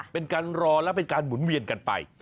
เป็นการรอและเป็นการหมุนเวียนกันไป